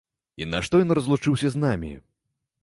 І нашто ён разлучыўся з намі?